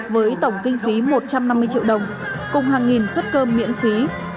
với tổng kinh phí một trăm năm mươi triệu đồng cùng hàng nghìn suất cơm miễn phí